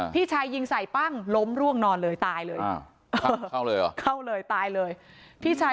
พี่ชายยิงใส่ปั้งล้มร่วงนอนเลยตายเลย